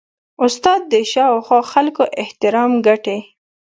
استاد د شاوخوا خلکو احترام ګټي.